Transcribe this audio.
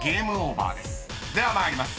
［では参ります。